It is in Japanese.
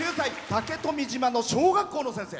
竹富島の小学校の先生。